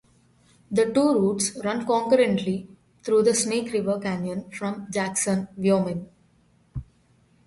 The two routes run concurrently through the Snake River Canyon from Jackson, Wyoming.